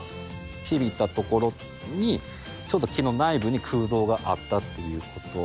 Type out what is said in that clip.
ひびが入った所に、ちょっと木の内部に空洞があったっていうこと。